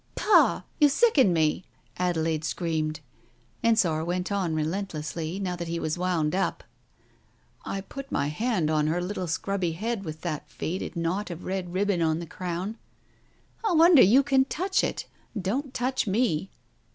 ...!" "Pah, you sicken me!" Adelaide screamed. Ensor went on relentlessly, now that he was wound up. ..." I put my hand on to her little scrubby head with that faded knot of red ribbon on the crown " "I wonder you can touch it. Don't touch me."